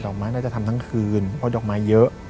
ไม้น่าจะทำทั้งคืนเพราะดอกไม้เยอะ